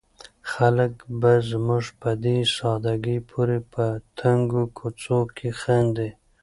خلک به زموږ په دې ساده ګۍ پورې په تنګو کوڅو کې خاندي.